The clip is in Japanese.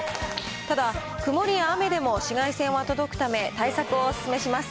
ただ、曇りや雨でも紫外線は届くため、対策をお勧めします。